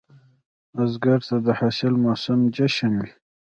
بزګر ته د حاصل موسم جشن وي